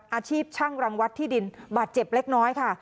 อาชีพช่างรังวัดที่ดินบาดเจ็บเล็กน้อยค่ะ